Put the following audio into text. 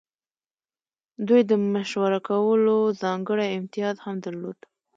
دوی د مشوره ورکولو ځانګړی امتیاز هم درلود.